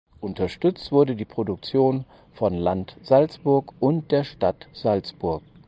Unterstützt wurde die Produktion vom Land Salzburg und der Stadt Salzburg.